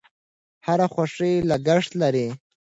هر خوښي لګښت لري.